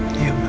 jadi jadi mama